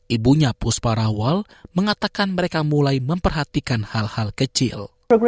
ibunya pusparawal mengatakan mereka mulai memperhatikan hal hal kecil